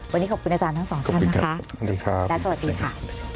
วันนี้ขอบคุณอาจารย์ทั้งสองท่านนะคะและสวัสดีค่ะ